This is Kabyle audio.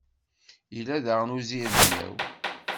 Yella daɣen uzirdyaw.